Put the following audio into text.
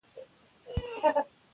تر سبا به ټوله درسي لړۍ بشپړه سوې وي.